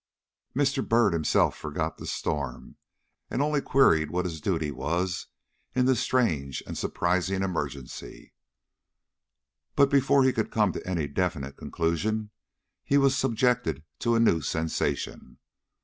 Mr. Byrd himself forgot the storm, and only queried what his duty was in this strange and surprising emergency. But before he could come to any definite conclusion, he was subjected to a new sensation.